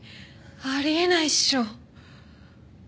あり得ないっしょ